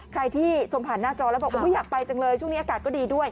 ใครที่ชมผ่านหน้าจอแล้วบอกอยากไปจังเลยช่วงนี้อากาศก็ดีด้วย